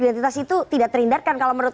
identitas itu tidak terhindarkan kalau menurut